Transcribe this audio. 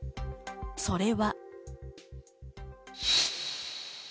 それは。